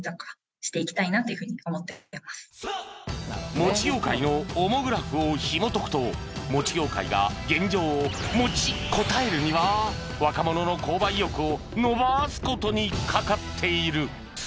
もち業界のオモグラフをひもとくともち業界が現状をもち堪えるには若者の購買意欲をのばす事にかかっている！